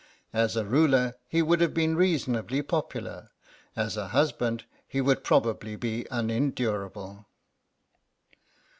As a ruler he would have been reasonably popular; as a husband he would probably be unendurable.